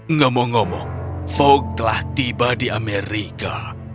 ngomong ngomong fok telah tiba di amerika